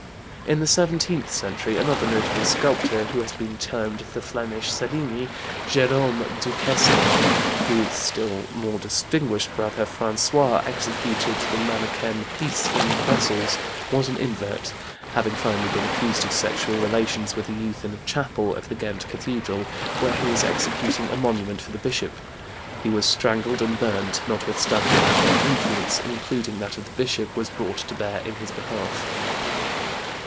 In the seventeenth century another notable sculptor who has been termed the Flemish Cellini, Jérôme Duquesnoy (whose still more distinguished brother François executed the Manneken Pis in Brussels), was an invert; having finally been accused of sexual relations with a youth in a chapel of the Ghent Cathedral, where he was executing a monument for the bishop, he was strangled and burned, notwithstanding that much influence, including that of the bishop, was brought to bear in his behalf.